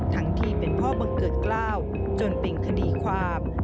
ที่เป็นพ่อบังเกิดกล้าวจนเป็นคดีความ